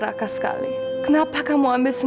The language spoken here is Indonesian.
aku rumahnya selama lamanya